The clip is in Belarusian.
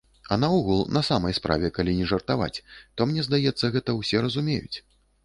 А наогул, на самай справе, калі не жартаваць, то мне здаецца, гэта ўсе зразумеюць.